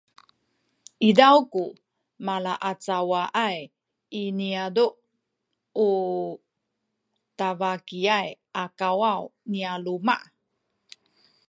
izaw ku malaacawaay i niyazu’ u tabakiyay a kawaw nya luma’